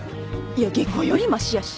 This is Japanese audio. いや下戸よりマシやし。